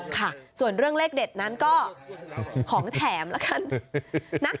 ค่ะส่วนเรื่องเลขเด็ดนั้นก็ของแถมละกันนะ